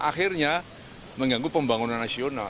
akhirnya mengganggu pembangunan nasional